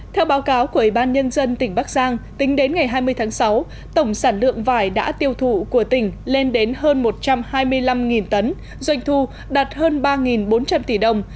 theo báo cáo của ủy ban nhân dân tỉnh bắc giang tính đến ngày hai mươi tháng sáu tổng sản lượng vải đã tiêu thụ của tỉnh lên đến hơn một trăm hai mươi năm tấn doanh thu đạt hơn ba bốn trăm linh tỷ đồng